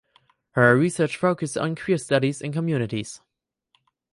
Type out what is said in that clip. Her research focuses on Queer studies and communities.